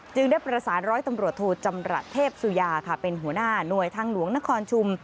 ได้ประสานร้อยตำรวจโทจำรัฐเทพสุยาค่ะเป็นหัวหน้าหน่วยทางหลวงนครชุม